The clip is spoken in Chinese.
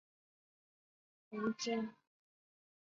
红交叉棘虫为交叉棘虫科交叉棘虫属的动物。